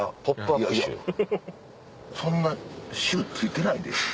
そんな臭ついてないで。